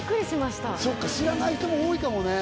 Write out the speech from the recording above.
そっか知らない人も多いかもね